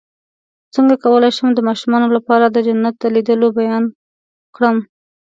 څنګه کولی شم د ماشومانو لپاره د جنت د لیدلو بیان کړم